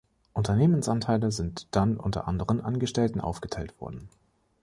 Unternehmensanteile sind dann unter anderen Angestellten aufgeteilt worden.